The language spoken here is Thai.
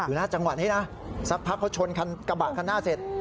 อยู่หน้าจังหวัดนี้นะสักพักเขาชนกระบะคันหน้าเสร็จ